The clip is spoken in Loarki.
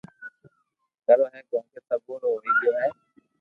ڪروُ ھي ڪونڪھ سبو رو ھوئي گيو ھي